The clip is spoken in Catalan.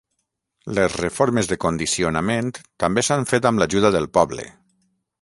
Les reformes de condicionament també s'han fet amb l'ajuda del poble.